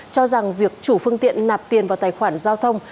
cho rằng việc chủ phương tiện nạp tiền vào tài khoản giao thông